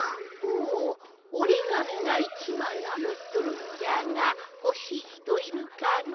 おおおりがみが１まいあまっとるんじゃがほしいひといるかの？